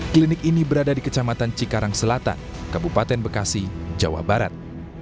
klinik ini berada di kecamatan cikarang selatan kabupaten bekasi jawa barat